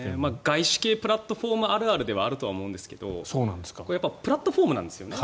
外資系プラットフォームあるあるではあると思うんですがプラットフォームなんですよね。